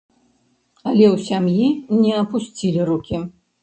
Але ў сям'і не апусцілі рукі.